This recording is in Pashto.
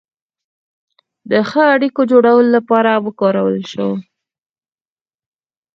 د ښو اړیکو جوړولو لپاره وکارول شوه.